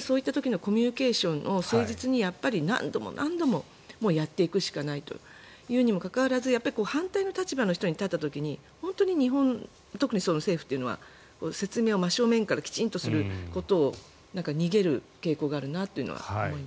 そういう時のコミュニケーションを誠実に何度も何度もやっていくしかないというにもかかわらず反対の立場に立った時に特に日本政府というのは説明を真正面からきちんとすることを逃げる傾向があるなというのは思います。